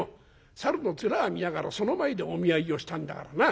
猿の面見ながらその前でお見合いをしたんだからな。